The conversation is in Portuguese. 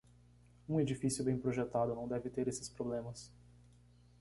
Um edifício bem projetado não deve ter esses problemas.